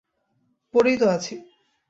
পরেই তো আছি।